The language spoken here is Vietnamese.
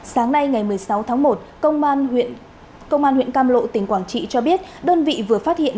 sáng nay ngày một mươi sáu tháng một công an huyện cam lộ tỉnh quảng trị cho biết đơn vị vừa phát hiện